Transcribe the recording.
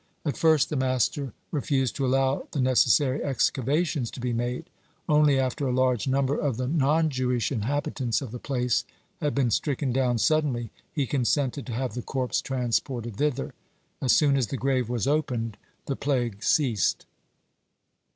At first the master refused to allow the necessary excavations to be made. Only after a large number of the non Jewish inhabitants of the place had been stricken down suddenly, he consented to have the corpse transported thither. As soon as the grave was opened, the plague ceased.